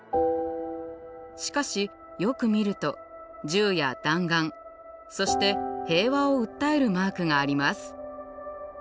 しかしよく見ると銃や弾丸そして平和を訴えるマークがあります。